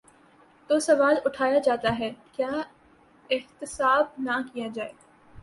تو سوال اٹھایا جاتا ہے: کیا احتساب نہ کیا جائے؟